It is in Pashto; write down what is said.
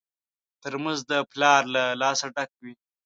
ترموز د پلار له لاسه ډک وي.